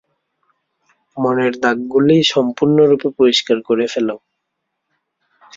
মনের দাগগুলি সম্পূর্ণরূপে পরিষ্কার করে ফেল।